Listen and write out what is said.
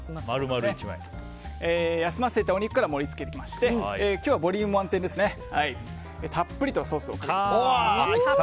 休ませたお肉から盛り付けていきまして今日はボリューム満点ですねたっぷりとソースをかけます。